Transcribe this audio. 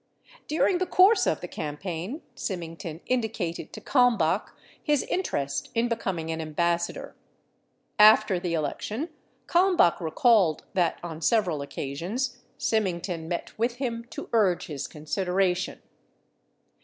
During the course of the campaign, Sy mington indicated to Kalmbach his interest in becoming an ambas sador. After the election, Kalmbach recalled that on several occasions Symington met with him to urge his consideration.